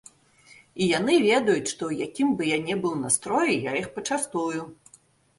І яны ведаюць, што ў якім бы я ні быў настроі, я іх пачастую.